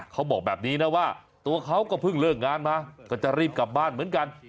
เขาบอกแบบนี้นะว่าตัวเขาก็เพิ่งเลิกงานมาก็จะรีบกลับบ้านเหมือนกัน